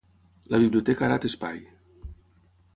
La biblioteca ara té espai.